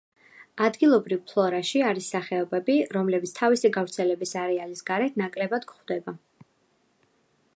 ადგილობრივ ფლორაში არის სახეობები, რომლებიც თავისი გავრცელების არეალის გარეთ ნაკლებად გვხვდება.